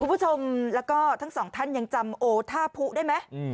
คุณผู้ชมแล้วก็ทั้งสองท่านยังจำโอท่าผู้ได้ไหม